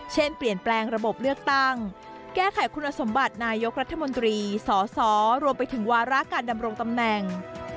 เช่นเปลี่ยนแปลงระบบเลือกตั้งแก้ไขคุณสมบัตินายกรัฐมนตรีสสรวมไปถึงวาระการดำรงตำแหน่ง